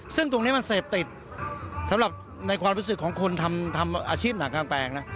ซึ่งตรงนี้มันเสพติดสำหรับในความรู้สึกของคนทำอาชีพหนังกลางแปลงนะ